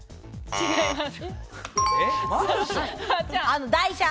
違います。